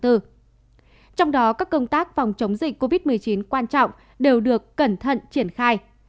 trong đó các công tác phòng chống dịch covid một mươi chín quan trọng đều được cẩn thận triển khai